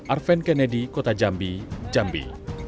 arven kennedy kota jambi jambi